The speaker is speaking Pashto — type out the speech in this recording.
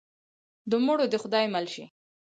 د مړو دې خدای مل شي.